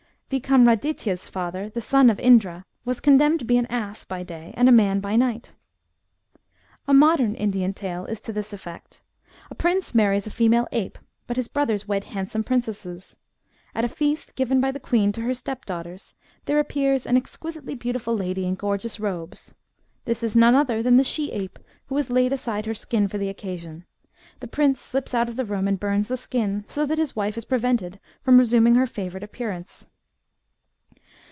Vikramaditya's father, the son of Indra, was con demned to be an ass by day and a man by night. A modem Indian tale is to this effect :— A prince marries a female ape, but his brothers wed handsome princesses. At a feast given by the queen to her step daughters, there appears an exquisitely beautiful lady in gorgeous robes. This is none other than the she ape, who has laid aside her skin for the occasion : the prince slips out of the room and bums the skin, so that his wife is prevented from resuming her favourite appearance.